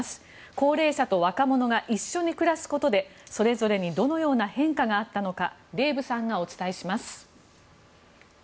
高齢者と若者が一緒に暮らすことでそれぞれにどのような変化があったのかデーブさんがお伝えします。